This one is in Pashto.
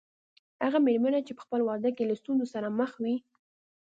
هغه مېرمنه چې په خپل واده کې له ستونزو سره مخ وي.